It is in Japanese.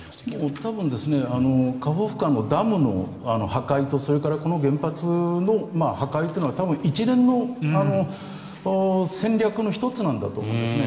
多分カホフカのダムの破壊とそれからこの原発の破壊というのは多分、一連の戦略の１つなんだと思うんですね。